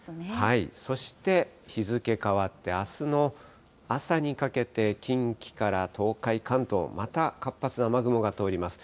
そして、日付変わってあすの朝にかけて近畿から東海、関東、また活発な雨雲が通ります。